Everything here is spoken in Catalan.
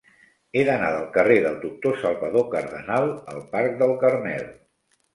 He d'anar del carrer del Doctor Salvador Cardenal al parc del Carmel.